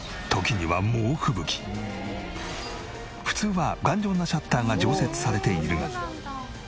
普通は頑丈なシャッターが常設されているが。